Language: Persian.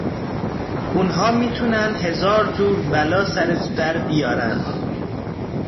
اونها میتونن هزارجور بلا سرت در بیارن